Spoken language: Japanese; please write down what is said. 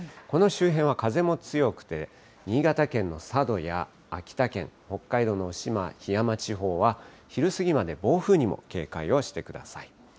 この周辺は風も強くて、新潟県の佐渡や秋田県、北海道のひやま地方は昼過ぎまで暴風にも警戒をしてください。